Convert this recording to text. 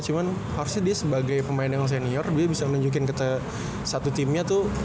cuman harusnya dia sebagai pemain yang senior dia bisa nunjukin ke satu timnya tuh